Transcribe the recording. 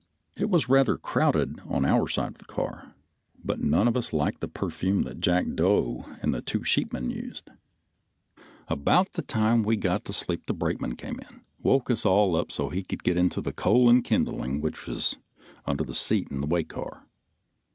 It was rather crowded on our side of the car, but none of us liked the perfume that Jackdo and the two sheepmen used. About the time we got to sleep the brakeman came in, woke us all up so he could get into the coal and kindling which is under the seat in a way car.